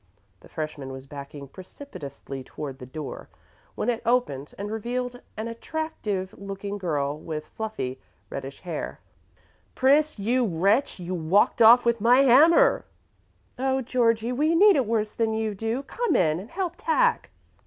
The freshman was backing precipitously toward the door, when it opened and revealed an attractive looking girl with fluffy reddish hair. "Pris, you wretch, you walked off with my hammer!" "Oh, Georgie, we need it worse than you do! Come in and help tack."